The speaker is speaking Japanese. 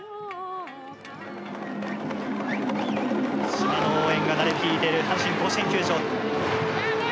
「島の応援が鳴り響いている阪神甲子園球場」。